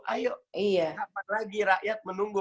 ayo kapan lagi rakyat menunggu